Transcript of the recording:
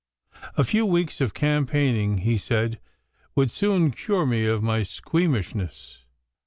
A few weeks of campaigning, he said, would soon cure me of my squeamishness.